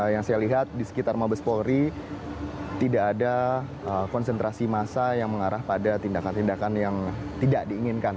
yang saya lihat di sekitar mabes polri tidak ada konsentrasi massa yang mengarah pada tindakan tindakan yang tidak diinginkan